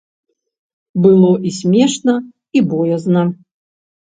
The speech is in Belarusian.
Было і смешна і боязна.